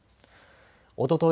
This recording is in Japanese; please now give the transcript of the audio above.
おととい